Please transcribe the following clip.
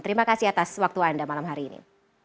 terima kasih atas waktu anda malam hari ini